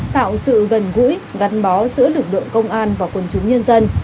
tạo sự gần gũi gắn bó giữa lực lượng công an và quân chúng nhân dân